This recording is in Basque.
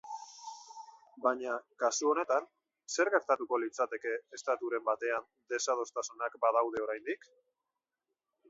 Baina, kasu honetan, zer gertatuko litzateke estaturen batean desadostasunak badaude oraindik?